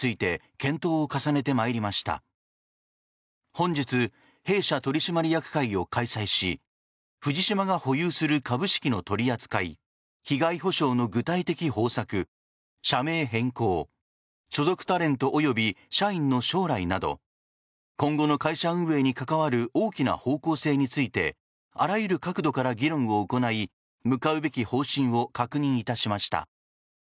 本日、弊社取締役会を開催し藤島が保有する株式の取り扱い被害補償の具体的方策社名変更所属タレント及び社員の将来など今度の会社運営に関わる大きな方向性についてあらゆる角度から議論を行い向かうべき方針を確認いたしました。